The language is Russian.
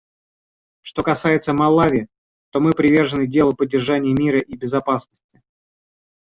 Что касается Малави, то мы привержены делу поддержания мира и безопасности.